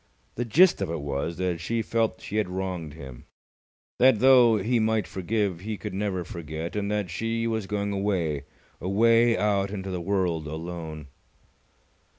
The gist of it was that she felt she had wronged him; that, though he might forgive, he could never forget; and that she was going away, away out into the world alone.